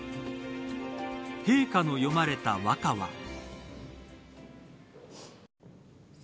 陛下の詠まれた和歌は。